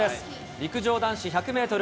陸上男子１００メートル